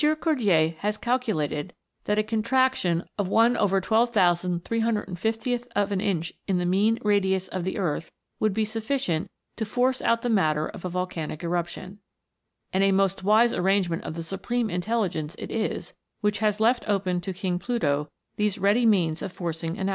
Cordier has calculated that a contraction of T^lrBir f an i ncn i n * ne mean radius of the earth would be sufficient to force out the matter of a volcanic eruption. And a most wise arrangement PLUTO'S KINGDOM. 289 of the Supreme Intelligence it is, which has left open to King Pluto these ready means of forcing an.